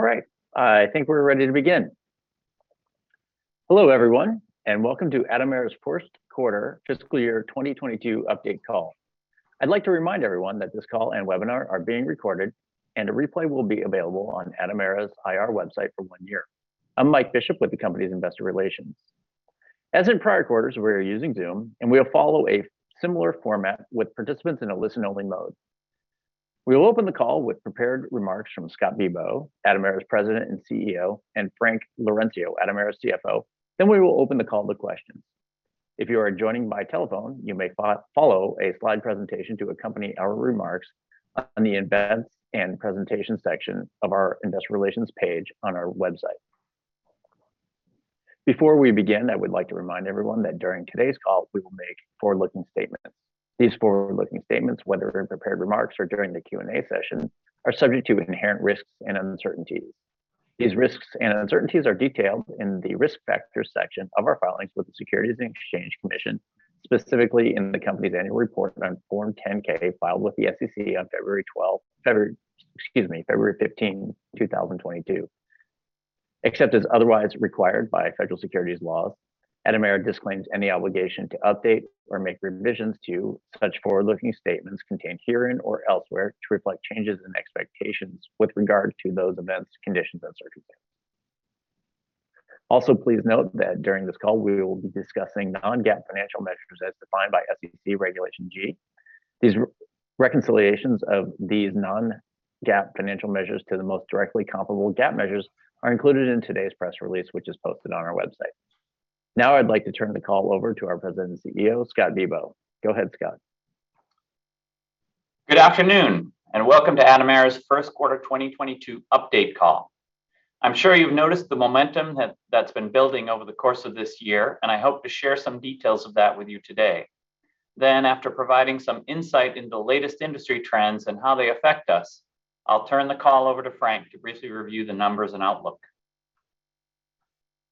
All right, I think we're ready to begin. Hello, everyone, and welcome to Atomera's first quarter fiscal year 2022 update call. I'd like to remind everyone that this call and webinar are being recorded, and a replay will be available on Atomera's IR website for one year. I'm Mike Bishop with the company's investor relations. As in prior quarters, we are using Zoom, and we'll follow a similar format with participants in a listen-only mode. We will open the call with prepared remarks from Scott Bibaud, Atomera's President and CEO, and Frank Laurencio, Atomera's CFO. Then we will open the call to questions. If you are joining by telephone, you may follow a slide presentation to accompany our remarks on the Events and Presentation section of our Investor Relations page on our website. Before we begin, I would like to remind everyone that during today's call, we will make forward-looking statements. These forward-looking statements, whether in prepared remarks or during the Q&A session, are subject to inherent risks and uncertainties. These risks and uncertainties are detailed in the Risk Factors section of our filings with the Securities and Exchange Commission, specifically in the company's annual report on Form 10-K filed with the SEC on February 15, 2022. Except as otherwise required by federal securities laws, Atomera disclaims any obligation to update or make revisions to such forward-looking statements contained herein or elsewhere to reflect changes in expectations with regard to those events, conditions, and circumstances. Also, please note that during this call, we will be discussing non-GAAP financial measures as defined by SEC Regulation G. These reconciliations of these non-GAAP financial measures to the most directly comparable GAAP measures are included in today's press release, which is posted on our website. Now I'd like to turn the call over to our President and CEO, Scott Bibaud. Go ahead, Scott. Good afternoon, and welcome to Atomera's first quarter 2022 update call. I'm sure you've noticed the momentum that's been building over the course of this year, and I hope to share some details of that with you today. After providing some insight into latest industry trends and how they affect us, I'll turn the call over to Frank to briefly review the numbers and outlook.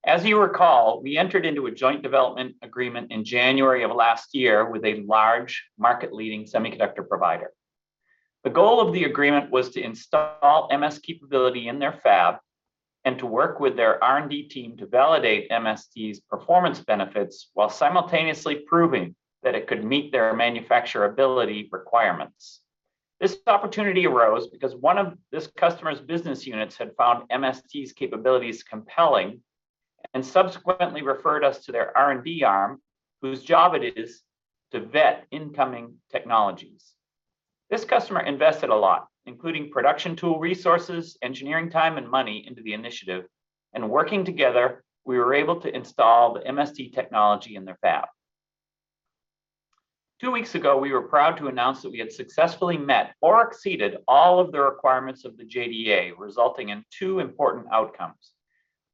As you recall, we entered into a joint development agreement in January of last year with a large market-leading semiconductor provider. The goal of the agreement was to install MST capability in their fab and to work with their R&D team to validate MST's performance benefits while simultaneously proving that it could meet their manufacturability requirements. This opportunity arose because one of this customer's business units had found MST's capabilities compelling and subsequently referred us to their R&D arm, whose job it is to vet incoming technologies. This customer invested a lot, including production tool resources, engineering time, and money into the initiative. Working together, we were able to install the MST technology in their fab. Two weeks ago, we were proud to announce that we had successfully met or exceeded all of the requirements of the JDA, resulting in two important outcomes.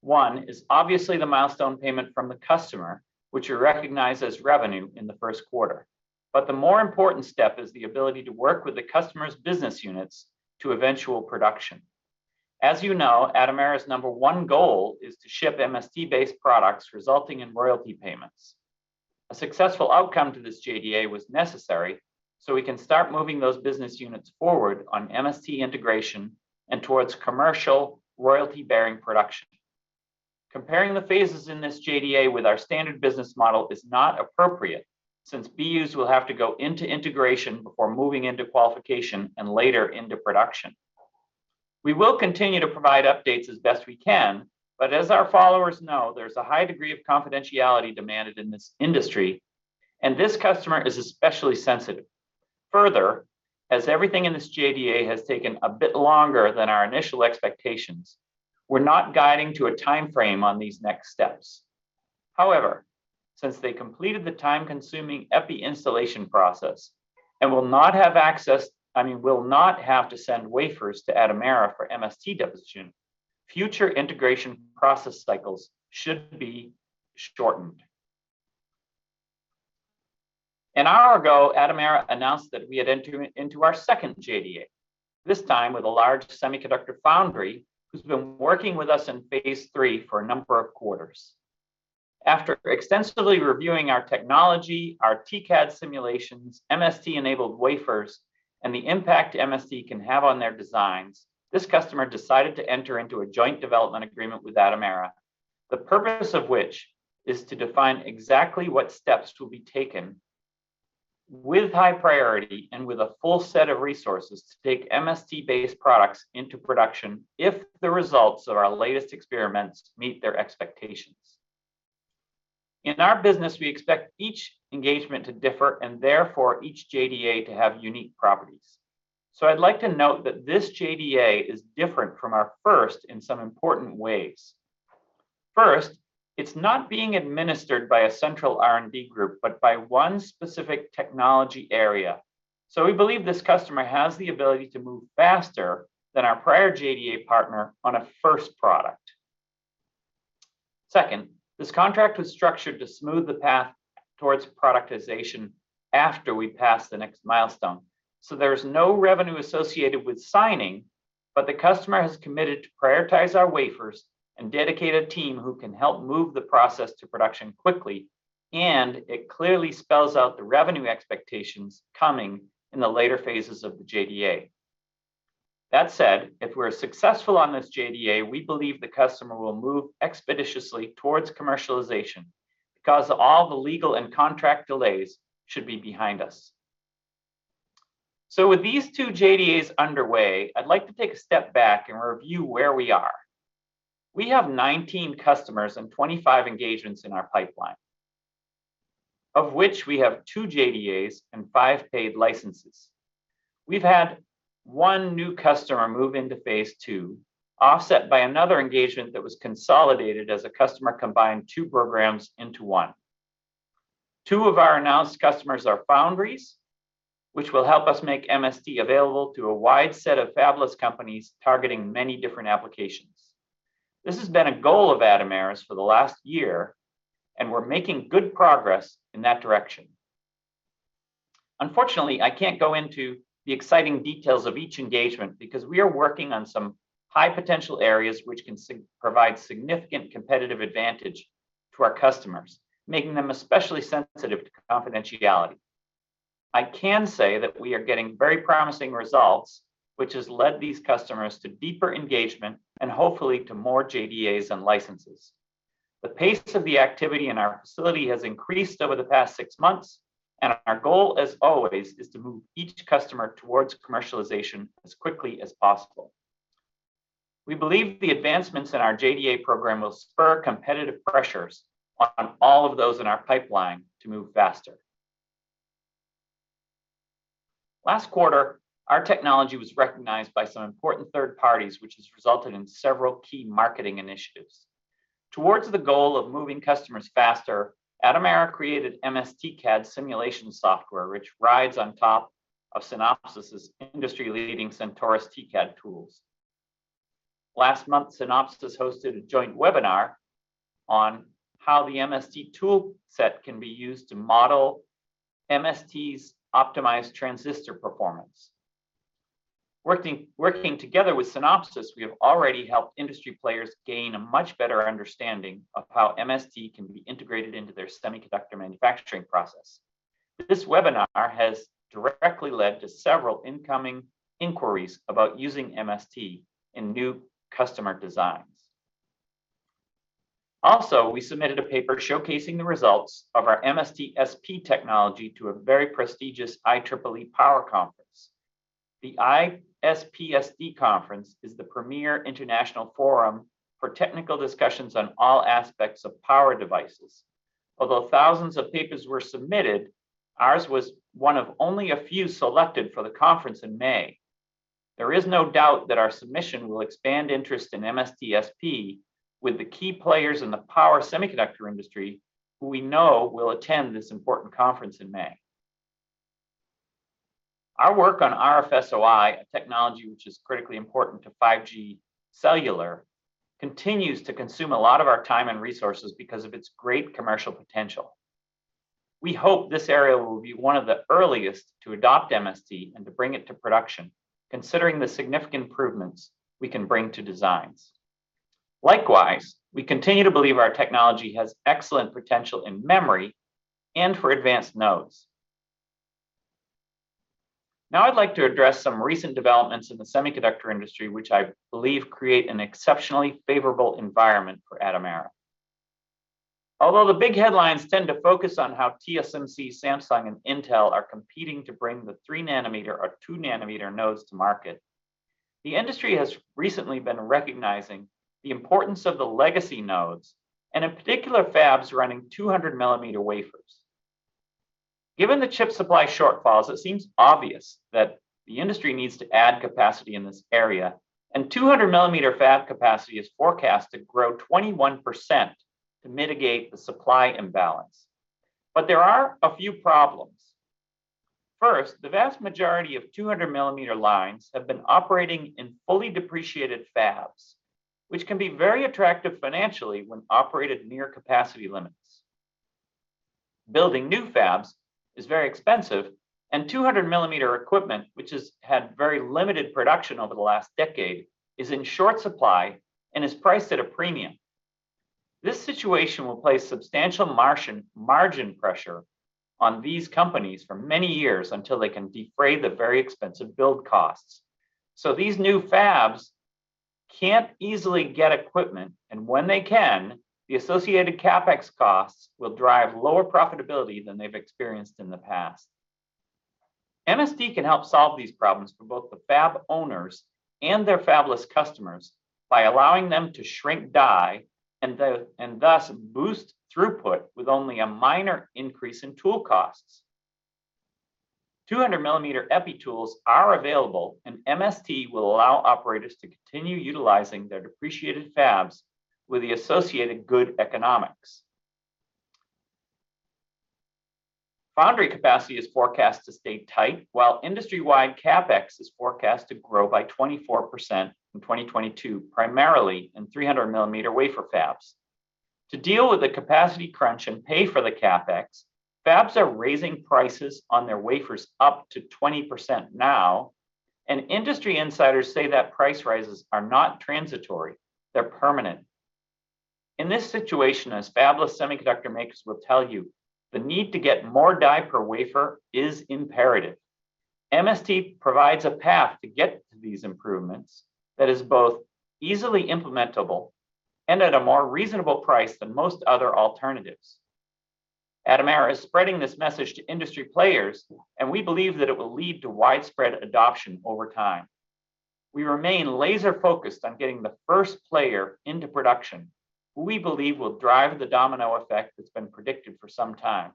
One is obviously the milestone payment from the customer, which we recognized as revenue in the first quarter. The more important step is the ability to work with the customer's business units to eventual production. As you know, Atomera's number one goal is to ship MST-based products, resulting in royalty payments. A successful outcome to this JDA was necessary, so we can start moving those business units forward on MST integration and towards commercial royalty-bearing production. Comparing the phases in this JDA with our standard business model is not appropriate since BUs will have to go into integration before moving into qualification and later into production. We will continue to provide updates as best we can, but as our followers know, there's a high degree of confidentiality demanded in this industry, and this customer is especially sensitive. Further, as everything in this JDA has taken a bit longer than our initial expectations, we're not guiding to a timeframe on these next steps. However, since they completed the time-consuming EPI installation process and will not have to send wafers to Atomera for MST deposition, future integration process cycles should be shortened. An hour ago, Atomera announced that we had entered into our second JDA, this time with a large semiconductor foundry who's been working with us in phase three for a number of quarters. After extensively reviewing our technology, our TCAD simulations, MST-enabled wafers, and the impact MST can have on their designs, this customer decided to enter into a joint development agreement with Atomera, the purpose of which is to define exactly what steps will be taken with high priority and with a full set of resources to take MST-based products into production if the results of our latest experiments meet their expectations. In our business, we expect each engagement to differ and therefore each JDA to have unique properties. I'd like to note that this JDA is different from our first in some important ways. First, it's not being administered by a central R&D group, but by one specific technology area. We believe this customer has the ability to move faster than our prior JDA partner on a first product. Second, this contract was structured to smooth the path towards productization after we pass the next milestone, so there is no revenue associated with signing. The customer has committed to prioritize our wafers and dedicate a team who can help move the process to production quickly, and it clearly spells out the revenue expectations coming in the later phases of the JDA. That said, if we're successful on this JDA, we believe the customer will move expeditiously towards commercialization because all the legal and contract delays should be behind us. With these two JDAs underway, I'd like to take a step back and review where we are. We have 19 customers and 25 engagements in our pipeline, of which we have 2 JDAs and 5 paid licenses. We've had 1 new customer move into phase two, offset by another engagement that was consolidated as a customer combined two programs into one. Two of our announced customers are foundries, which will help us make MST available to a wide set of fabless companies targeting many different applications. This has been a goal of Atomera for the last year, and we're making good progress in that direction. Unfortunately, I can't go into the exciting details of each engagement because we are working on some high-potential areas which can provide significant competitive advantage to our customers, making them especially sensitive to confidentiality. I can say that we are getting very promising results, which has led these customers to deeper engagement and hopefully to more JDAs and licenses. The pace of the activity in our facility has increased over the past six months, and our goal, as always, is to move each customer towards commercialization as quickly as possible. We believe the advancements in our JDA program will spur competitive pressures on all of those in our pipeline to move faster. Last quarter, our technology was recognized by some important third parties, which has resulted in several key marketing initiatives. Towards the goal of moving customers faster, Atomera created MSTcad simulation software, which rides on top of Synopsys' industry-leading Sentaurus TCAD tools. Last month, Synopsys hosted a joint webinar on how the MST tool set can be used to model MST's optimized transistor performance. Working together with Synopsys, we have already helped industry players gain a much better understanding of how MST can be integrated into their semiconductor manufacturing process. This webinar has directly led to several incoming inquiries about using MST in new customer designs. We submitted a paper showcasing the results of our MST SP technology to a very prestigious IEEE power conference. The ISPSD conference is the premier international forum for technical discussions on all aspects of power devices. Although thousands of papers were submitted, ours was one of only a few selected for the conference in May. There is no doubt that our submission will expand interest in MST SP with the key players in the power semiconductor industry who we know will attend this important conference in May. Our work on RFSOI, a technology which is critically important to 5G cellular, continues to consume a lot of our time and resources because of its great commercial potential. We hope this area will be one of the earliest to adopt MST and to bring it to production, considering the significant improvements we can bring to designs. Likewise, we continue to believe our technology has excellent potential in memory and for advanced nodes. Now I'd like to address some recent developments in the semiconductor industry which I believe create an exceptionally favorable environment for Atomera. Although the big headlines tend to focus on how TSMC, Samsung, and Intel are competing to bring the 3-nanometer or 2-nanometer nodes to market, the industry has recently been recognizing the importance of the legacy nodes and in particular fabs running 200-millimeter wafers. Given the chip supply shortfalls, it seems obvious that the industry needs to add capacity in this area, and 200-millimeter fab capacity is forecast to grow 21% to mitigate the supply imbalance. There are a few problems. First, the vast majority of 200 millimeter lines have been operating in fully depreciated fabs, which can be very attractive financially when operated near capacity limits. Building new fabs is very expensive, and 200 millimeter equipment, which has had very limited production over the last decade, is in short supply and is priced at a premium. This situation will place substantial margin pressure on these companies for many years until they can defray the very expensive build costs. These new fabs can't easily get equipment, and when they can, the associated CapEx costs will drive lower profitability than they've experienced in the past. MST can help solve these problems for both the fab owners and their fabless customers by allowing them to shrink die and thus boost throughput with only a minor increase in tool costs. 200 millimeter epi tools are available, and MST will allow operators to continue utilizing their depreciated fabs with the associated good economics. Foundry capacity is forecast to stay tight while industry-wide CapEx is forecast to grow by 24% in 2022, primarily in 300 millimeter wafer fabs. To deal with the capacity crunch and pay for the CapEx, fabs are raising prices on their wafers up to 20% now, and industry insiders say that price rises are not transitory, they're permanent. In this situation, as fabless semiconductor makers will tell you, the need to get more die per wafer is imperative. MST provides a path to get to these improvements that is both easily implementable and at a more reasonable price than most other alternatives. Atomera is spreading this message to industry players, and we believe that it will lead to widespread adoption over time. We remain laser-focused on getting the first player into production, who we believe will drive the domino effect that's been predicted for some time.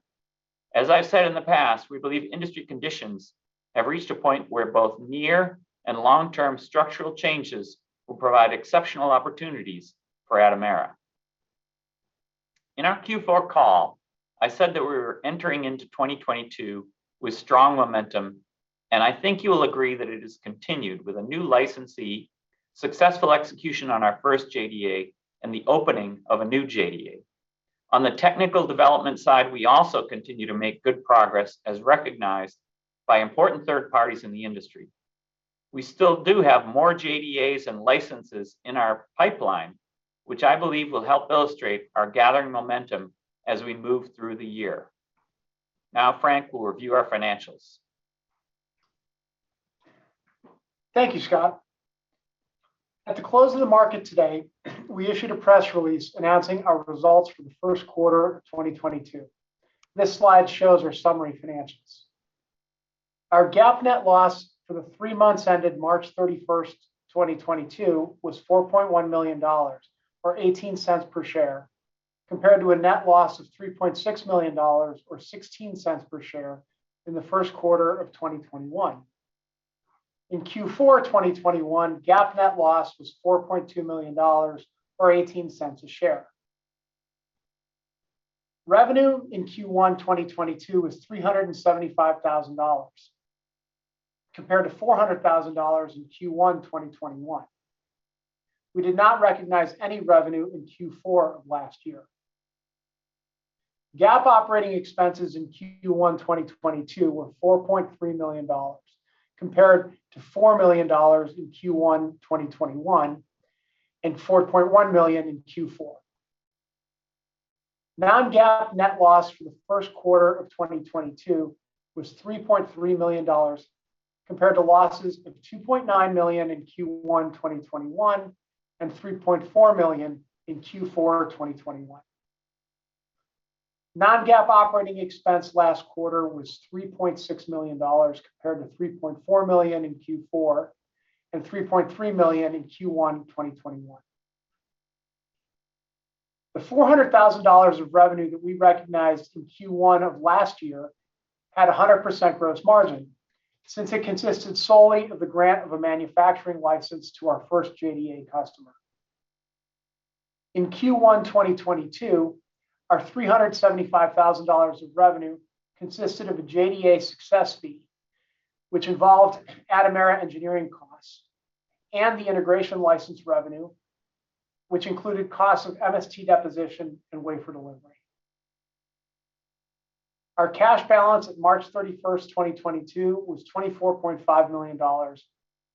As I've said in the past, we believe industry conditions have reached a point where both near and long-term structural changes will provide exceptional opportunities for Atomera. In our Q4 call, I said that we were entering into 2022 with strong momentum, and I think you will agree that it has continued with a new licensee, successful execution on our first JDA, and the opening of a new JDA. On the technical development side, we also continue to make good progress as recognized by important third parties in the industry. We still do have more JDAs and licenses in our pipeline, which I believe will help illustrate our gathering momentum as we move through the year. Now Frank will review our financials. Thank you, Scott. At the close of the market today, we issued a press release announcing our results for the first quarter of 2022. This slide shows our summary financials. Our GAAP net loss for the 3 months ended March 31, 2022 was $4.1 million or $0.18 per share, compared to a net loss of $3.6 million or $0.16 per share in the first quarter of 2021. In Q4 2021, GAAP net loss was $4.2 million or $0.18 a share. Revenue in Q1 2022 was $375,000, compared to $400,000 in Q1 2021. We did not recognize any revenue in Q4 of last year. GAAP operating expenses in Q1 2022 were $4.3 million, compared to $4 million in Q1 2021 and $4.1 million in Q4. Non-GAAP net loss for the first quarter of 2022 was $3.3 million, compared to losses of $2.9 million in Q1 2021 and $3.4 million in Q4 2021. Non-GAAP operating expense last quarter was $3.6 million, compared to $3.4 million in Q4 and $3.3 million in Q1 2021. The $400,000 of revenue that we recognized in Q1 of last year had a 100% gross margin, since it consisted solely of the grant of a manufacturing license to our first JDA customer. In Q1 2022, our $375 thousand of revenue consisted of a JDA success fee, which involved Atomera engineering costs, and the integration license revenue, which included costs of MST deposition and wafer delivery. Our cash balance at March 31, 2022 was $24.5 million,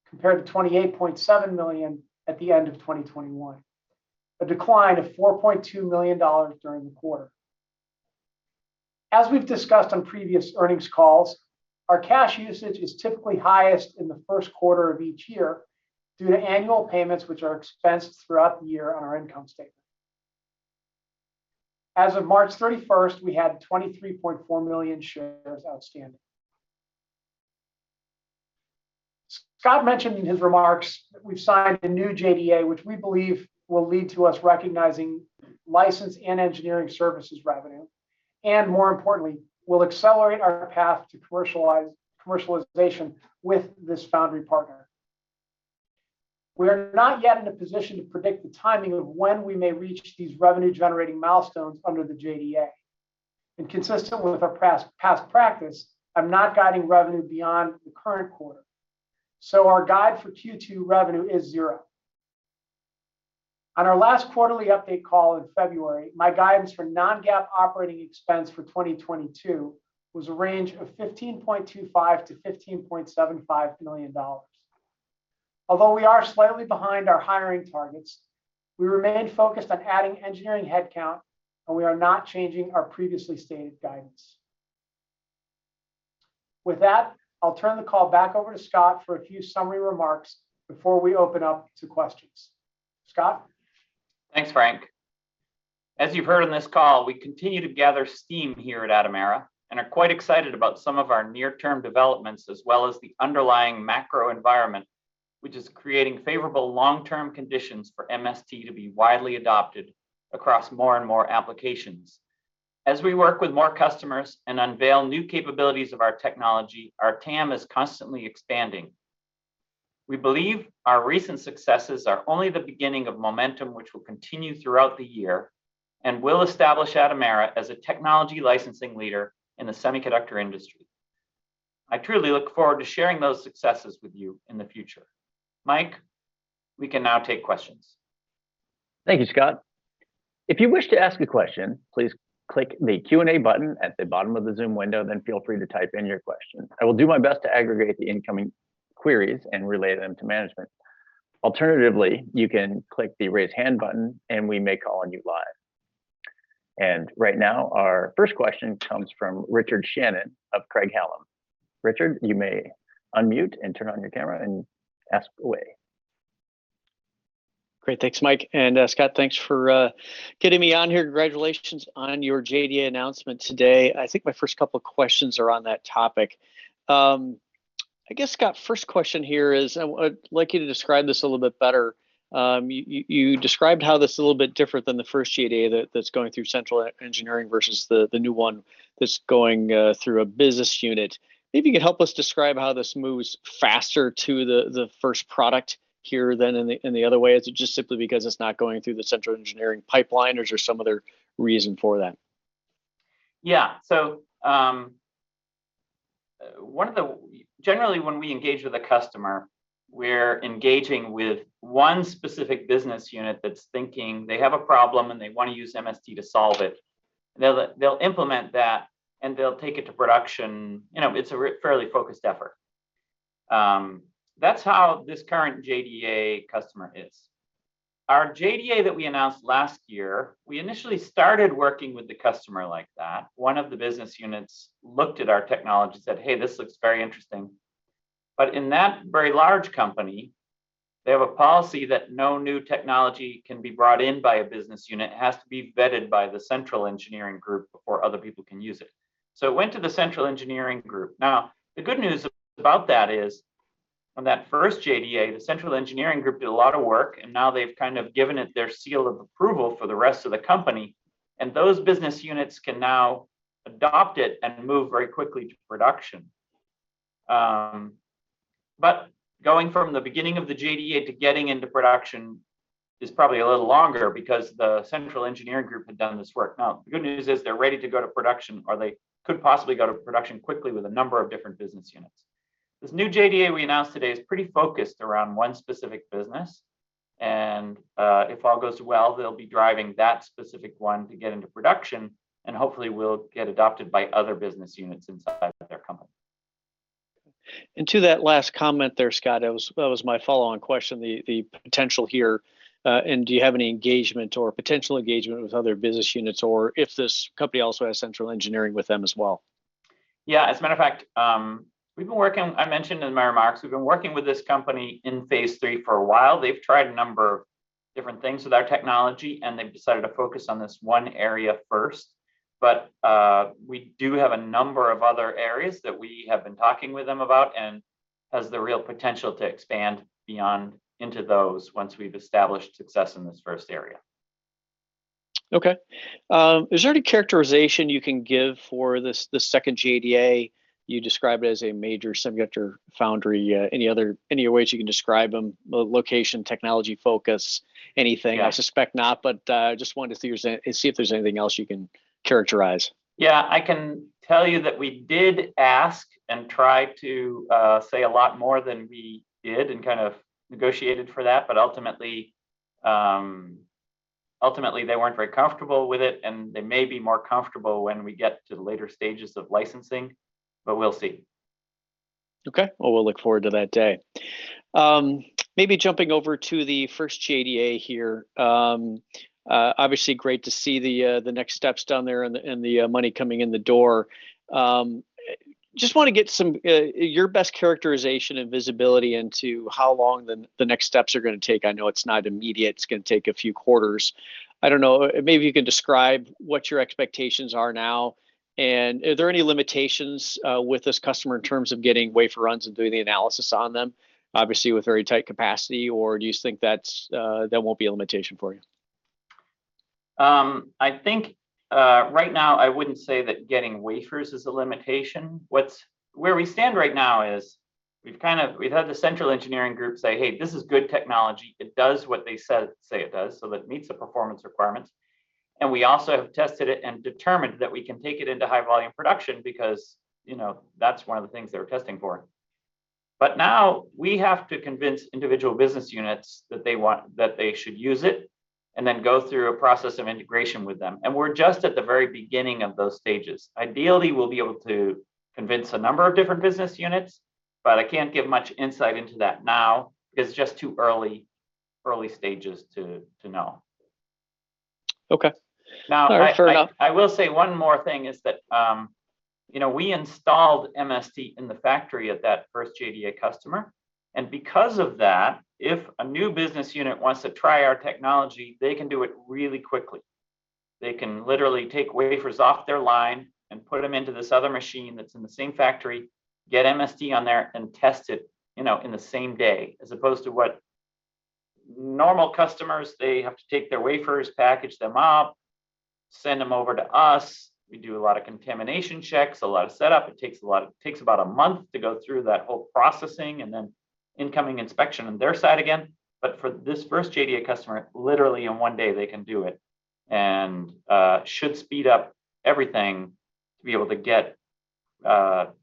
compared to $28.7 million at the end of 2021, a decline of $4.2 million during the quarter. We've discussed on previous earnings calls, our cash usage is typically highest in the first quarter of each year due to annual payments which are expensed throughout the year on our income statement. As of March 31, we had 23.4 million shares outstanding. Scott mentioned in his remarks that we've signed a new JDA, which we believe will lead to us recognizing license and engineering services revenue, and more importantly, will accelerate our path to commercialization with this foundry partner. We are not yet in a position to predict the timing of when we may reach these revenue-generating milestones under the JDA. Consistent with our past practice, I'm not guiding revenue beyond the current quarter. Our guide for Q2 revenue is $0. On our last quarterly update call in February, my guidance for non-GAAP operating expense for 2022 was a range of $15.25 million-$15.75 million. Although we are slightly behind our hiring targets, we remain focused on adding engineering headcount, and we are not changing our previously stated guidance. With that, I'll turn the call back over to Scott for a few summary remarks before we open up to questions. Scott? Thanks, Frank. As you've heard on this call, we continue to gather steam here at Atomera and are quite excited about some of our near-term developments as well as the underlying macro environment, which is creating favorable long-term conditions for MST to be widely adopted across more and more applications. As we work with more customers and unveil new capabilities of our technology, our TAM is constantly expanding. We believe our recent successes are only the beginning of momentum, which will continue throughout the year and will establish Atomera as a technology licensing leader in the semiconductor industry. I truly look forward to sharing those successes with you in the future. Mike, we can now take questions. Thank you, Scott. If you wish to ask a question, please click the Q&A button at the bottom of the Zoom window, then feel free to type in your question. I will do my best to aggregate the incoming queries and relay them to management. Alternatively, you can click the Raise Hand button and we may call on you live. Right now, our first question comes from Richard Shannon of Craig-Hallum. Richard, you may unmute and turn on your camera and ask away. Great. Thanks, Mike. Scott, thanks for getting me on here. Congratulations on your JDA announcement today. I think my first couple questions are on that topic. I guess, Scott, first question here is I'd like you to describe this a little bit better. You described how this is a little bit different than the first JDA that's going through central engineering versus the new one that's going through a business unit. Maybe you could help us describe how this moves faster to the first product here than in the other way. Is it just simply because it's not going through the central engineering pipeline, or is there some other reason for that? Yeah. Generally, when we engage with a customer, we're engaging with one specific business unit that's thinking they have a problem and they wanna use MST to solve it. They'll implement that and they'll take it to production. You know, it's a fairly focused effort. That's how this current JDA customer is. Our JDA that we announced last year, we initially started working with the customer like that. One of the business units looked at our technology and said, "Hey, this looks very interesting." In that very large company, they have a policy that no new technology can be brought in by a business unit. It has to be vetted by the central engineering group before other people can use it. It went to the central engineering group. Now, the good news about that is, on that first JDA, the central engineering group did a lot of work, and now they've kind of given it their seal of approval for the rest of the company, and those business units can now adopt it and move very quickly to production. Going from the beginning of the JDA to getting into production is probably a little longer because the central engineering group had done this work. Now, the good news is they're ready to go to production, or they could possibly go to production quickly with a number of different business units. This new JDA we announced today is pretty focused around one specific business, and if all goes well, they'll be driving that specific one to get into production, and hopefully will get adopted by other business units inside of their company. To that last comment there, Scott, that was my follow-on question, the potential here. Do you have any engagement or potential engagement with other business units, or if this company also has central engineering with them as well? Yeah. As a matter of fact, we've been working. I mentioned in my remarks, we've been working with this company in phase three for a while. They've tried a number of different things with our technology, and they've decided to focus on this one area first. We do have a number of other areas that we have been talking with them about and has the real potential to expand beyond, into those once we've established success in this first area. Okay. Is there any characterization you can give for this second JDA? You describe it as a major semiconductor foundry. Any other ways you can describe them, location, technology focus, anything? Yeah. I suspect not, but just wanted to see if there's anything else you can characterize. Yeah. I can tell you that we did ask and try to say a lot more than we did and kind of negotiated for that. Ultimately, they weren't very comfortable with it, and they may be more comfortable when we get to the later stages of licensing, but we'll see. Okay. Well, we'll look forward to that day. Maybe jumping over to the first JDA here. Obviously, great to see the next steps down there and the money coming in the door. Just wanna get some of your best characterization and visibility into how long the next steps are gonna take. I know it's not immediate. It's gonna take a few quarters. I don't know, maybe you can describe what your expectations are now. Are there any limitations with this customer in terms of getting wafer runs and doing the analysis on them, obviously with very tight capacity, or do you think that won't be a limitation for you? I think right now, I wouldn't say that getting wafers is a limitation. Where we stand right now is we've kind of had the central engineering group say, "Hey, this is good technology. It does what they said it does," so it meets the performance requirements. We also have tested it and determined that we can take it into high volume production because, you know, that's one of the things they were testing for. Now we have to convince individual business units that they want, that they should use it, and then go through a process of integration with them. We're just at the very beginning of those stages. Ideally, we'll be able to convince a number of different business units, but I can't give much insight into that now. It's just too early stages to know. Okay. Now, I Fair enough. I will say one more thing, is that, you know, we installed MST in the factory at that first JDA customer, and because of that, if a new business unit wants to try our technology, they can do it really quickly. They can literally take wafers off their line and put them into this other machine that's in the same factory, get MST on there, and test it, you know, in the same day as opposed to what normal customers, they have to take their wafers, package them up, send them over to us. We do a lot of contamination checks, a lot of setup. It takes a lot, about a month to go through that whole processing and then incoming inspection on their side again. For this first JDA customer, literally in one day they can do it. Should speed up everything to be able to get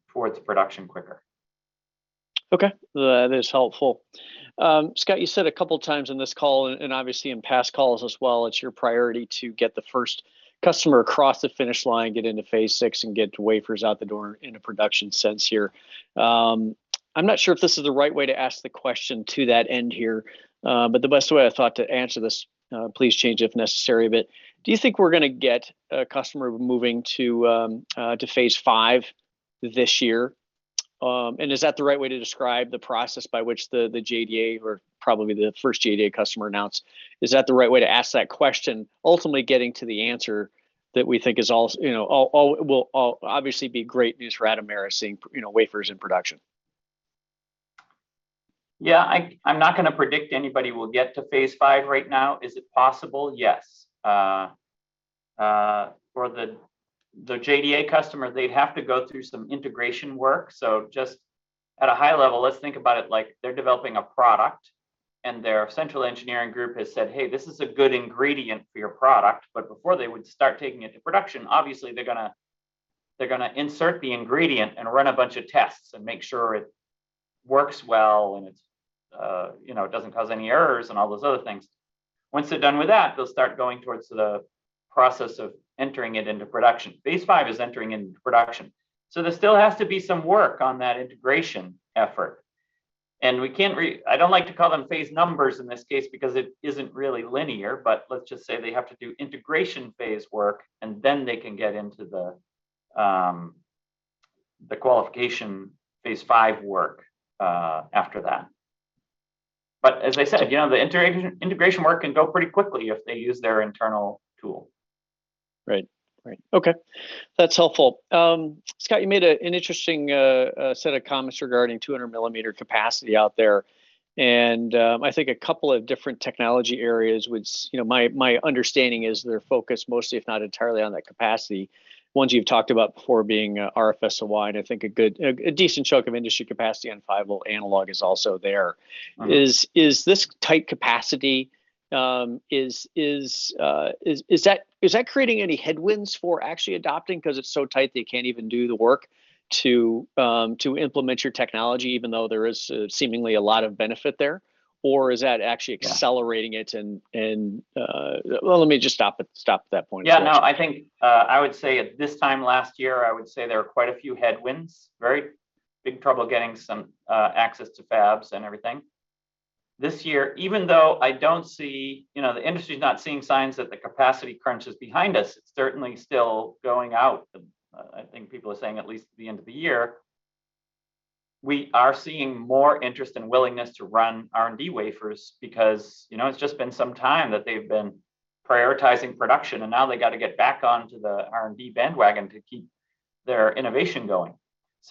towards production quicker. Okay. That is helpful. Scott, you said a couple times in this call, and obviously in past calls as well, it's your priority to get the first customer across the finish line, get into phase six, and get wafers out the door in a production sense here. I'm not sure if this is the right way to ask the question to that end here, but the best way I thought to answer this, please change if necessary, but do you think we're gonna get a customer moving to phase five this year? Is that the right way to describe the process by which the JDA or probably the first JDA customer announced? Is that the right way to ask that question, ultimately getting to the answer that we think is also, you know, all will obviously be great news for Atomera seeing, you know, wafers in production? Yeah. I'm not gonna predict anybody will get to phase five right now. Is it possible? Yes. For the JDA customer, they'd have to go through some integration work. Just at a high level, let's think about it like they're developing a product, and their central engineering group has said, "Hey, this is a good ingredient for your product." Before they would start taking it to production, obviously they're gonna insert the ingredient and run a bunch of tests and make sure it works well, and it's, you know, it doesn't cause any errors, and all those other things. Once they're done with that, they'll start going towards the process of entering it into production. phase five is entering into production, so there still has to be some work on that integration effort, and I don't like to call them phase numbers in this case because it isn't really linear. Let's just say they have to do integration phase work, and then they can get into the qualification phase five work after that. As I said, you know, the integration work can go pretty quickly if they use their internal tool. Right. Okay. That's helpful. Scott, you made an interesting set of comments regarding 200 millimeter capacity out there, and I think a couple of different technology areas which, you know, my understanding is they're focused mostly, if not entirely, on that capacity. Ones you've talked about before being RFSOI, and I think a decent chunk of industry capacity and 5-volt analog is also there. Mm-hmm. Is this tight capacity, is that creating any headwinds for actually adopting? 'Cause it's so tight they can't even do the work to implement your technology even though there is seemingly a lot of benefit there? Or is that actually- Yeah Accelerating it and. Well, let me just stop at that point. Yeah, no, I think I would say at this time last year I would say there were quite a few headwinds, very big trouble getting some access to fabs and everything. This year, even though I don't see, you know, the industry's not seeing signs that the capacity crunch is behind us, it's certainly still going on. I think people are saying at least the end of the year. We are seeing more interest and willingness to run R&D wafers because, you know, it's just been some time that they've been prioritizing production, and now they gotta get back onto the R&D bandwagon to keep their innovation going.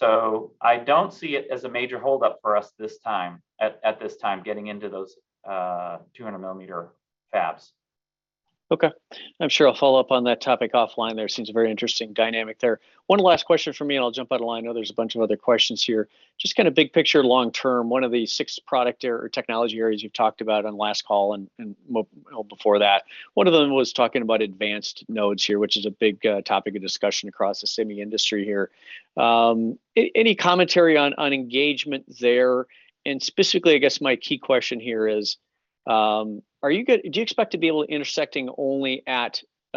I don't see it as a major hold-up for us this time, at this time getting into those 200 millimeter fabs. Okay. I'm sure I'll follow up on that topic offline there. Seems a very interesting dynamic there. One last question from me, and I'll jump out of line. I know there's a bunch of other questions here. Just kind of big picture long term, one of the six product or technology areas you've talked about on last call and well before that, one of them was talking about advanced nodes here, which is a big topic of discussion across the semi industry here. Any commentary on engagement there? And specifically, I guess my key question here is, do you expect to be able to intersect only at, you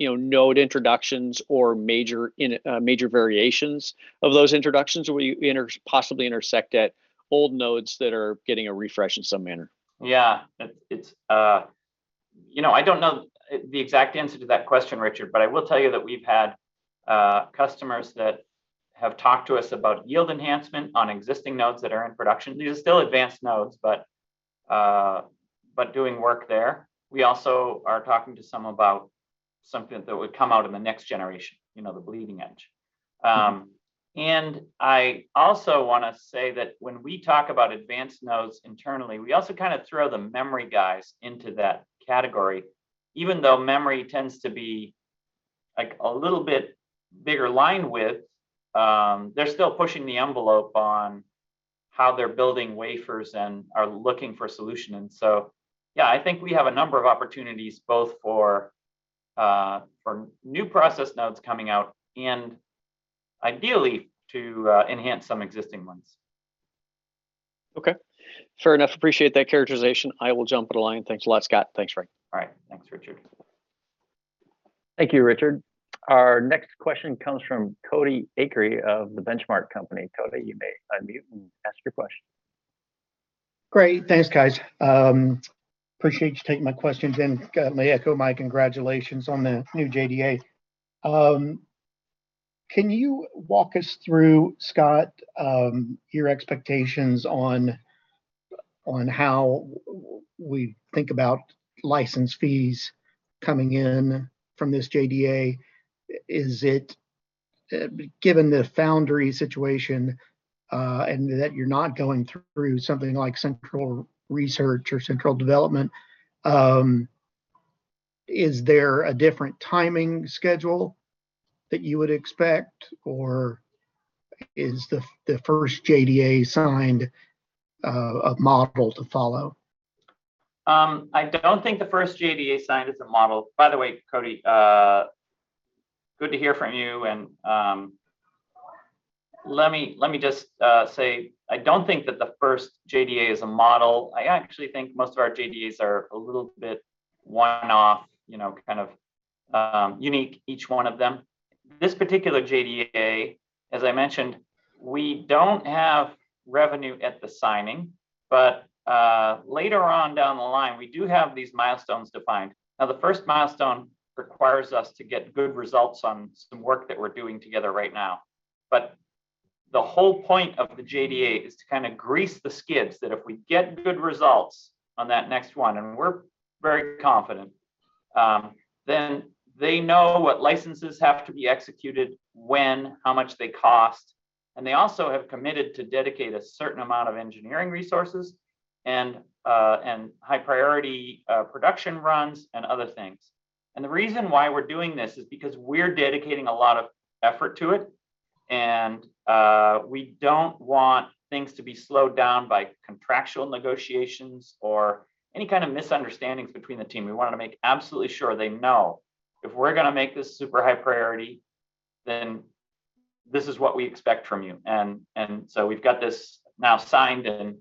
know, node introductions or major variations of those introductions? Or will you possibly intersect at old nodes that are getting a refresh in some manner? Yeah. It's... You know, I don't know the exact answer to that question, Richard, but I will tell you that we've had customers that have talked to us about yield enhancement on existing nodes that are in production. These are still advanced nodes, but doing work there. We also are talking to some about something that would come out in the next generation, you know, the bleeding edge. I also wanna say that when we talk about advanced nodes internally, we also kind of throw the memory guys into that category. Even though memory tends to be, like, a little bit bigger line width, they're still pushing the envelope on how they're building wafers and are looking for a solution. Yeah, I think we have a number of opportunities both for new process nodes coming out and ideally to enhance some existing ones. Okay. Fair enough. Appreciate that characterization. I will jump out of line. Thanks a lot, Scott. Thanks, Ray. All right. Thanks, Richard. Thank you, Richard. Our next question comes from Cody Acree of The Benchmark Company. Cody, you may unmute and ask your question. Great. Thanks, guys. Appreciate you taking my questions, and let me echo my congratulations on the new JDA. Can you walk us through, Scott, your expectations on how we think about license fees coming in from this JDA? Is it, given the foundry situation, and that you're not going through something like central research or central development, is there a different timing schedule that you would expect or is the first JDA signed a model to follow? I don't think the first JDA signed is a model. By the way, Cody, good to hear from you. Let me just say I don't think that the first JDA is a model. I actually think most of our JDAs are a little bit one-off. You know, kind of, unique, each one of them. This particular JDA, as I mentioned, we don't have revenue at the signing, but later on down the line, we do have these milestones defined. Now, the first milestone requires us to get good results on some work that we're doing together right now. The whole point of the JDA is to kind of grease the skids, that if we get good results on that next one, and we're very confident, then they know what licenses have to be executed, when, how much they cost, and they also have committed to dedicate a certain amount of engineering resources and high priority production runs and other things. The reason why we're doing this is because we're dedicating a lot of effort to it, and we don't want things to be slowed down by contractual negotiations or any kind of misunderstandings between the team. We want to make absolutely sure they know if we're gonna make this super high priority, then this is what we expect from you. We've got this now signed and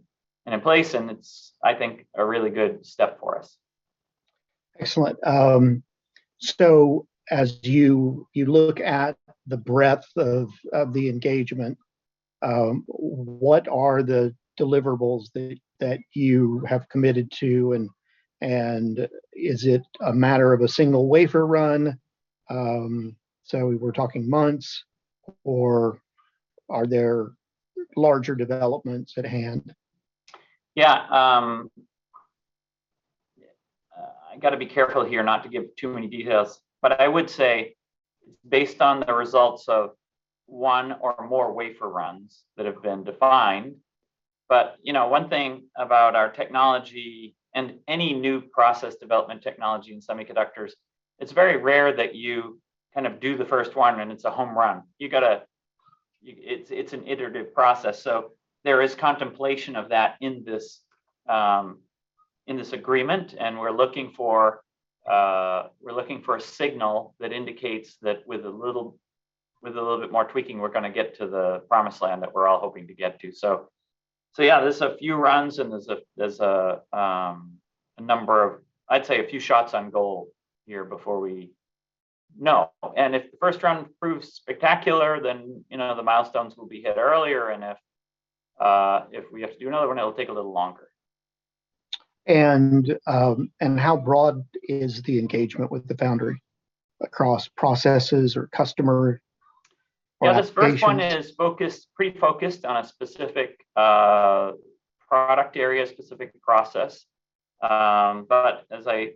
in place, and it's, I think, a really good step for us. Excellent. As you look at the breadth of the engagement, what are the deliverables that you have committed to? Is it a matter of a single wafer run? We're talking months, or are there larger developments at hand? Yeah. I got to be careful here not to give too many details, but I would say based on the results of one or more wafer runs that have been defined. You know, one thing about our technology and any new process development technology in semiconductors, it's very rare that you kind of do the first one and it's a home run. It's an iterative process, so there is contemplation of that in this agreement, and we're looking for a signal that indicates that with a little bit more tweaking, we're gonna get to the promised land that we're all hoping to get to. Yeah, there's a few runs, and there's a number of, I'd say a few shots on goal here before we know. If the first run proves spectacular, then, you know, the milestones will be hit earlier. If we have to do another one, it'll take a little longer. How broad is the engagement with the foundry across processes or customer or applications? Yeah, this first one is focused on a specific product area, specific process. As I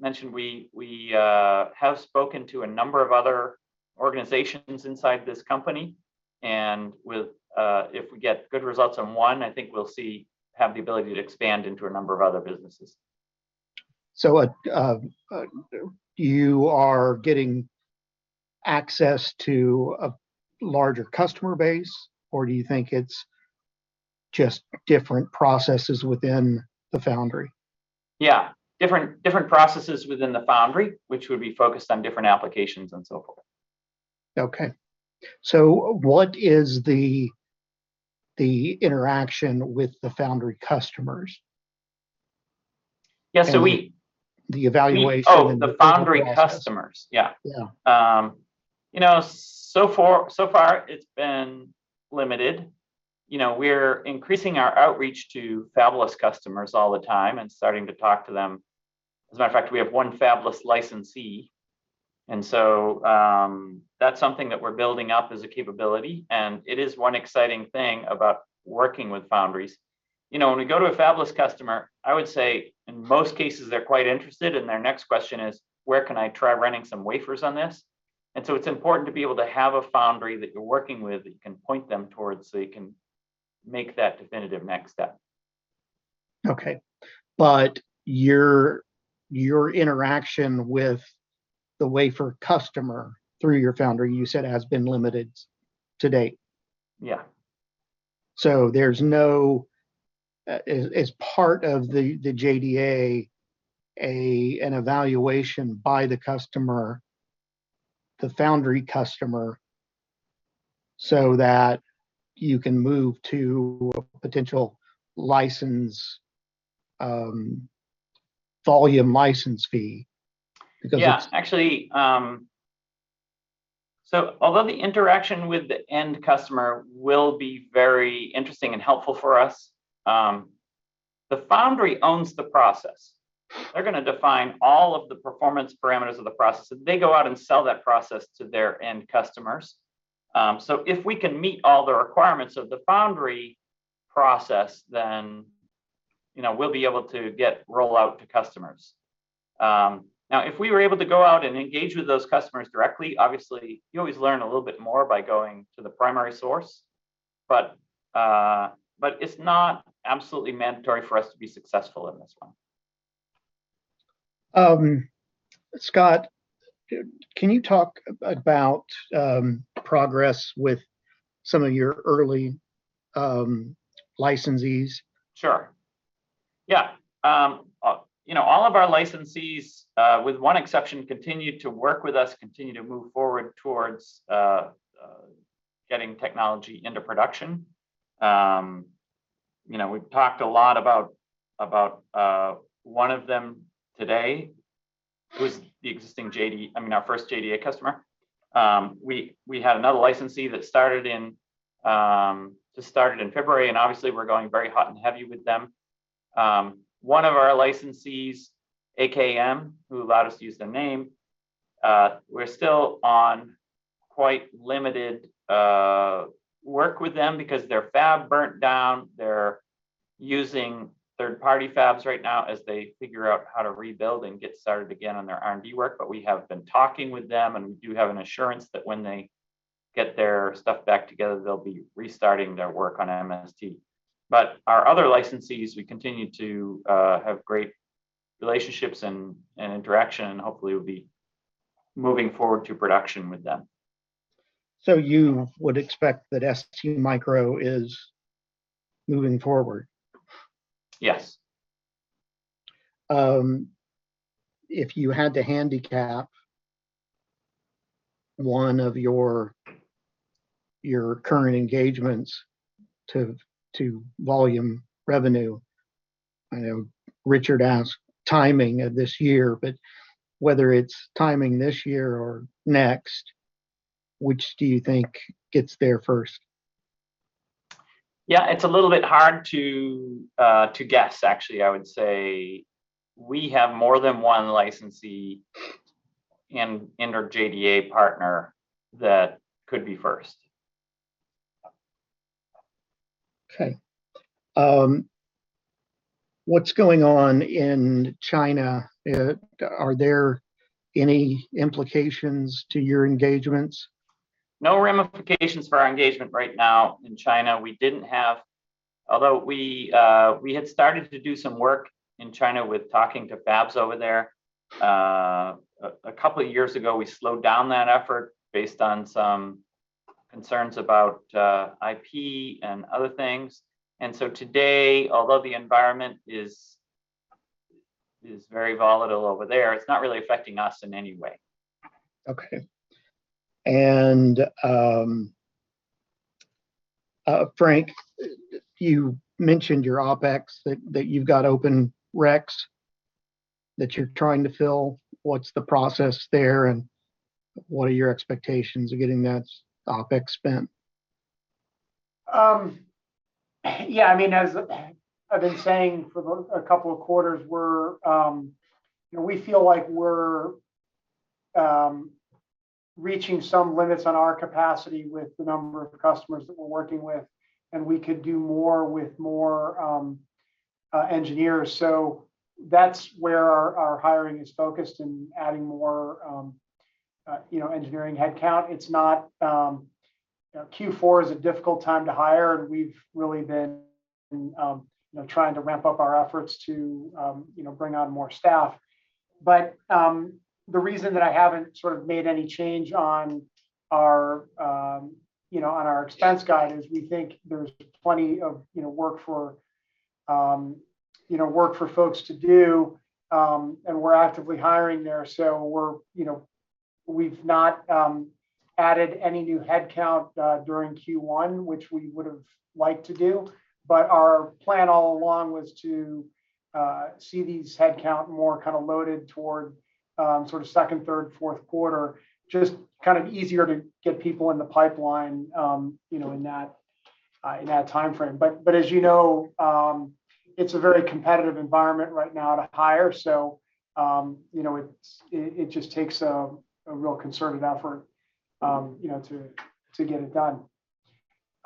mentioned, we have spoken to a number of other organizations inside this company. If we get good results on one, I think we'll have the ability to expand into a number of other businesses. You are getting access to a larger customer base, or do you think it's just different processes within the foundry? Yeah, different processes within the foundry, which would be focused on different applications and so forth. Okay. What is the interaction with the foundry customers? Yeah, we The evaluation- Oh, the foundry customers. Yeah. Yeah. You know, so far it's been limited. You know, we're increasing our outreach to fabless customers all the time and starting to talk to them. As a matter of fact, we have one fabless licensee, and that's something that we're building up as a capability, and it is one exciting thing about working with foundries. You know, when we go to a fabless customer, I would say in most cases they're quite interested, and their next question is, "Where can I try running some wafers on this?" It's important to be able to have a foundry that you're working with that you can point them towards so you can make that definitive next step. Okay. Your interaction with the wafer customer through your foundry, you said, has been limited to date. Yeah. There's no, as part of the JDA, an evaluation by the customer, the foundry customer, so that you can move to a potential license, volume license fee because it's. Yeah, actually, although the interaction with the end customer will be very interesting and helpful for us, the foundry owns the process. They're gonna define all of the performance parameters of the process. They go out and sell that process to their end customers. If we can meet all the requirements of the foundry process, then, you know, we'll be able to get rollout to customers. Now, if we were able to go out and engage with those customers directly, obviously you always learn a little bit more by going to the primary source, but it's not absolutely mandatory for us to be successful in this one. Scott, can you talk about progress with some of your early licensees? Sure. Yeah. You know, all of our licensees, with one exception, continue to work with us, continue to move forward towards getting technology into production. You know, we've talked a lot about one of them today who's the existing JDA, I mean, our first JDA customer. We had another licensee that just started in February, and obviously we're going very hot and heavy with them. One of our licensees, AKM, who allowed us to use their name, we're still on quite limited work with them because their fab burnt down. They're using third-party fabs right now as they figure out how to rebuild and get started again on their R&D work. We have been talking with them, and we do have an assurance that when they get their stuff back together, they'll be restarting their work on MST. Our other licensees, we continue to have great relationships and interaction, and hopefully we'll be moving forward to production with them. You would expect that STMicroelectronics is moving forward? Yes. If you had to handicap one of your current engagements to volume revenue, I know Richard asked timing of this year, but whether it's timing this year or next, which do you think gets there first? Yeah, it's a little bit hard to guess, actually. I would say we have more than one licensee and/or JDA partner that could be first. Okay. What's going on in China? Are there any implications to your engagements? No ramifications for our engagement right now in China. Although we had started to do some work in China with talking to fabs over there a couple of years ago, we slowed down that effort based on some concerns about IP and other things. Today, although the environment is very volatile over there, it's not really affecting us in any way. Okay. Frank, you mentioned your OpEx, that you've got open RECs that you're trying to fill. What's the process there, and what are your expectations of getting that OpEx spent? Yeah, I mean, as I've been saying for a couple of quarters, you know, we feel like we're reaching some limits on our capacity with the number of customers that we're working with, and we could do more with more, you know, engineering headcount. It's not, you know, Q4 is a difficult time to hire, and we've really been, you know, trying to ramp up our efforts to, you know, bring on more staff. The reason that I haven't sort of made any change on our, you know, expense guide is we think there's plenty of, you know, work for folks to do, and we're actively hiring there. You know, we've not added any new headcount during Q1, which we would have liked to do. Our plan all along was to see these headcount more kind of loaded toward sort of second, third, fourth quarter. Just kind of easier to get people in the pipeline, you know, in that timeframe. As you know, it's a very competitive environment right now to hire. You know, it just takes a real concerted effort, you know, to get it done.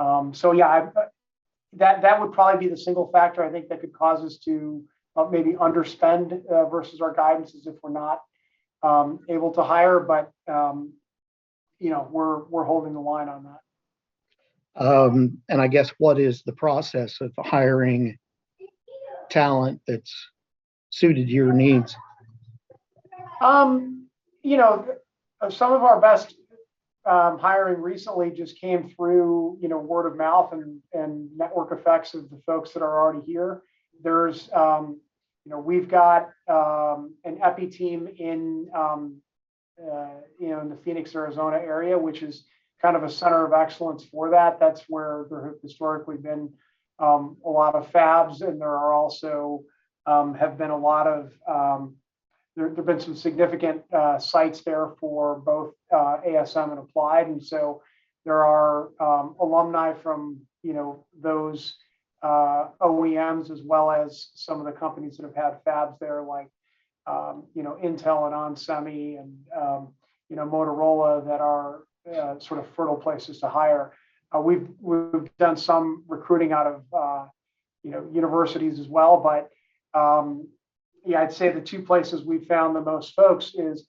Yeah, that would probably be the single factor I think that could cause us to maybe underspend versus our guidance if we're not able to hire. You know, we're holding the line on that. I guess what is the process of hiring talent that's suited your needs? You know, some of our best hiring recently just came through, you know, word of mouth and network effects of the folks that are already here. There's, you know, we've got an EPI team in, you know, in the Phoenix, Arizona area, which is kind of a center of excellence for that. That's where there have historically been a lot of fabs, and there have been some significant sites there for both ASM and Applied. There are alumni from, you know, those OEMs as well as some of the companies that have had fabs there like, you know, Intel and onsemi and, you know, Motorola that are sort of fertile places to hire. We've done some recruiting out of you know, universities as well. Yeah, I'd say the two places we've found the most folks is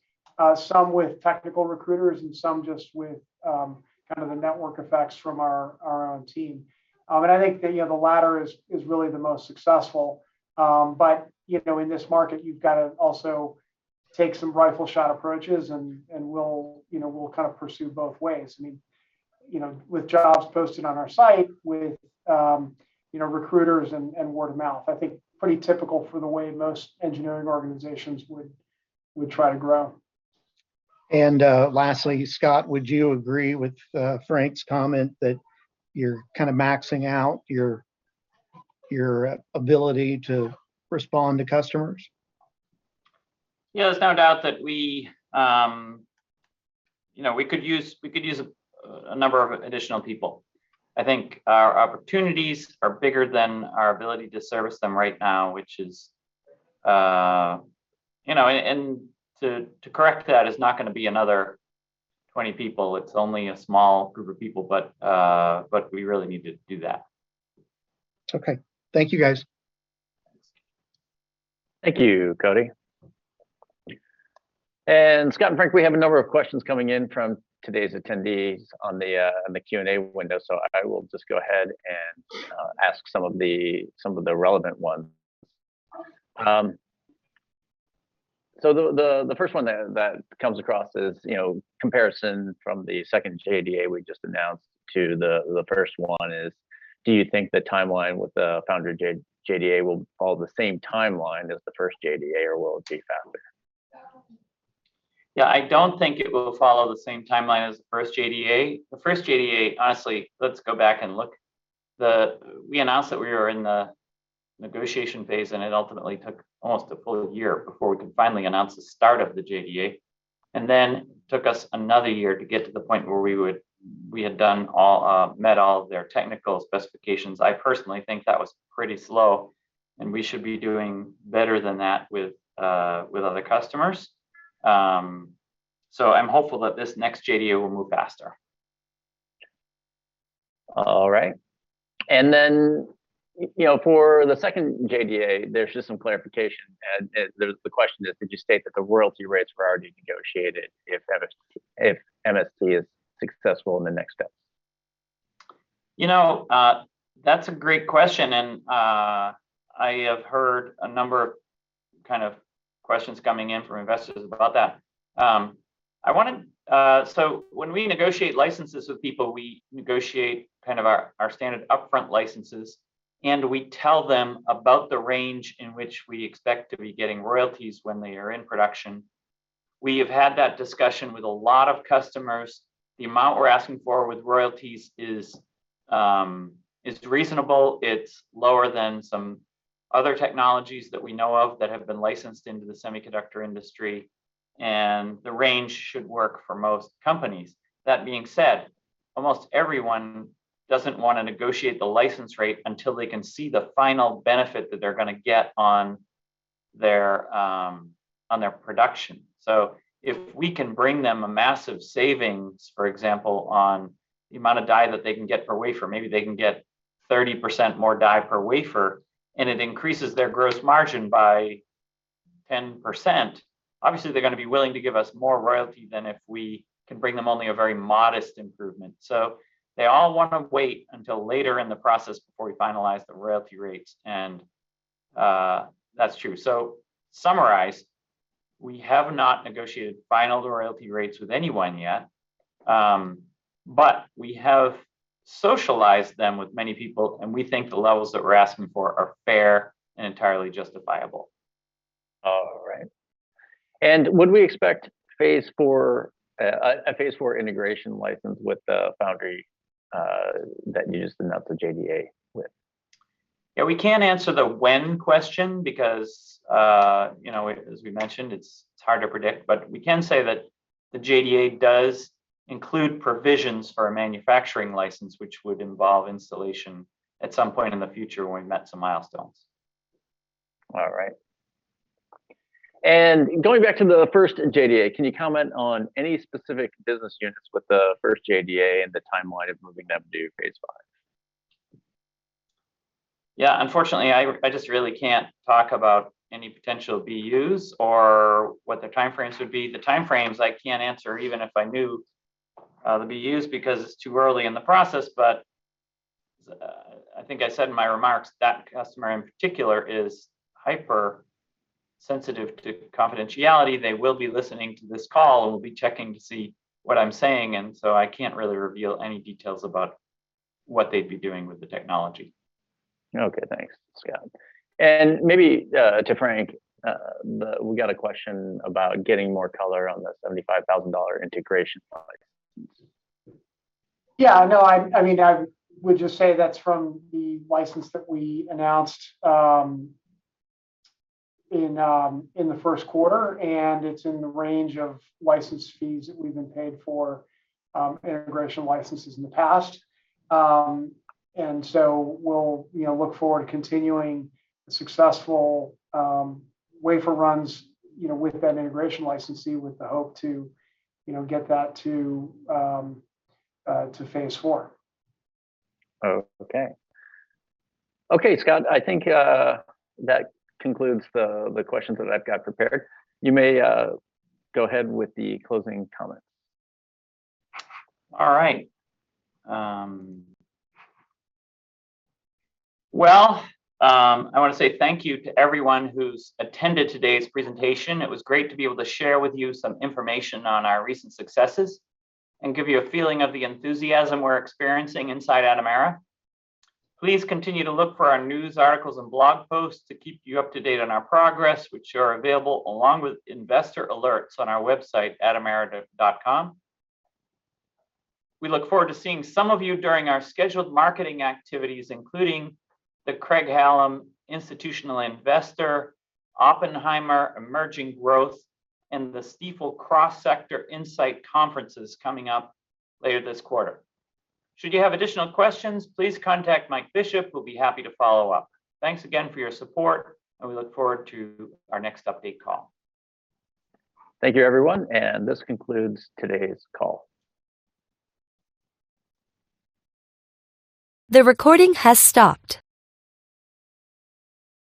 some with technical recruiters and some just with kind of the network effects from our own team. I think that you know, the latter is really the most successful. You know, in this market, you've got to also take some rifle shot approaches, and we'll kind of pursue both ways. I mean, you know, with jobs posted on our site, with you know, recruiters and word of mouth. I think pretty typical for the way most engineering organizations would try to grow. Lastly, Scott, would you agree with Frank's comment that you're kind of maxing out your ability to respond to customers? Yeah, there's no doubt that we, you know, we could use a number of additional people. I think our opportunities are bigger than our ability to service them right now, which is. You know, to correct that is not gonna be another 20 people. It's only a small group of people, but we really need to do that. Okay. Thank you, guys. Thank you, Cody. Scott and Frank, we have a number of questions coming in from today's attendees on the Q&A window. I will just go ahead and ask some of the relevant ones. The first one that comes across is, you know, comparison from the second JDA we just announced to the first one is, do you think the timeline with the foundry JDA will follow the same timeline as the first JDA, or will it be faster? Yeah, I don't think it will follow the same timeline as the first JDA. The first JDA, honestly, let's go back and look. We announced that we were in the negotiation phase, and it ultimately took almost a full year before we could finally announce the start of the JDA. Then took us another year to get to the point where we had done all, met all of their technical specifications. I personally think that was pretty slow, and we should be doing better than that with other customers. I'm hopeful that this next JDA will move faster. All right. Then, you know, for the second JDA, there's just some clarification. The question is, did you state that the royalty rates were already negotiated if MST is successful in the next steps? You know, that's a great question. I have heard a number of kind of questions coming in from investors about that. When we negotiate licenses with people, we negotiate kind of our standard upfront licenses, and we tell them about the range in which we expect to be getting royalties when they are in production. We have had that discussion with a lot of customers. The amount we're asking for with royalties is reasonable. It's lower than some other technologies that we know of that have been licensed into the semiconductor industry, and the range should work for most companies. That being said, almost everyone doesn't wanna negotiate the license rate until they can see the final benefit that they're gonna get on their production. If we can bring them a massive savings, for example, on the amount of die that they can get per wafer, maybe they can get 30% more die per wafer, and it increases their gross margin by 10%, obviously, they're gonna be willing to give us more royalty than if we can bring them only a very modest improvement. They all wanna wait until later in the process before we finalize the royalty rates, and that's true. Summarize, we have not negotiated final royalty rates with anyone yet, but we have socialized them with many people, and we think the levels that we're asking for are fair and entirely justifiable. All right. Would we expect a phase four integration license with the foundry that you just announced the JDA with? Yeah, we can't answer the when question because, you know, as we mentioned, it's hard to predict. We can say that the JDA does include provisions for a manufacturing license, which would involve installation at some point in the future when we met some milestones. All right. Going back to the first JDA, can you comment on any specific business units with the first JDA and the timeline of moving them to phase five? Yeah, unfortunately, I just really can't talk about any potential BUs or what their timeframes would be. The timeframes I can't answer even if I knew the BUs because it's too early in the process. I think I said in my remarks that customer, in particular, is hyper-sensitive to confidentiality. They will be listening to this call and will be checking to see what I'm saying. I can't really reveal any details about what they'd be doing with the technology. Okay, thanks, Scott. Maybe to Frank, we got a question about getting more color on the $75,000 integration license. Yeah, no, I mean, I would just say that's from the license that we announced in the first quarter, and it's in the range of license fees that we've been paid for integration licenses in the past. We'll, you know, look forward to continuing the successful wafer runs, you know, with that integration licensee with the hope to, you know, get that to phase four. Okay. Okay, Scott, I think that concludes the questions that I've got prepared. You may go ahead with the closing comments. All right. I wanna say thank you to everyone who's attended today's presentation. It was great to be able to share with you some information on our recent successes and give you a feeling of the enthusiasm we're experiencing inside Atomera. Please continue to look for our news articles and blog posts to keep you up to date on our progress, which are available along with investor alerts on our website, atomera.com. We look forward to seeing some of you during our scheduled marketing activities, including the Craig-Hallum Institutional Investor, Oppenheimer Emerging Growth, and the Stifel Cross Sector Insight Conferences coming up later this quarter. Should you have additional questions, please contact Mike Bishop, who'll be happy to follow up. Thanks again for your support, and we look forward to our next update call. Thank you, everyone, and this concludes today's call. The recording has stopped.